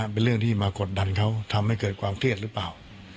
เป็นเรื่องที่มากดดันเขาทำให้เกิดความเครียดหรือเปล่า